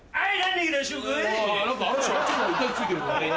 はい！